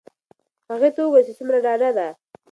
هغې ته وگوره چې څومره ډاډه ده.